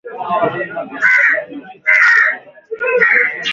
kulingana na ripoti ya mwaka elfu mbili na kumi na saba ya kundi la kimazingira